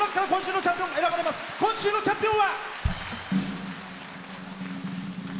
今週のチャンピオンは。